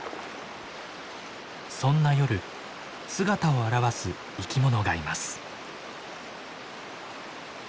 そんな夜姿を現す生き物がいます。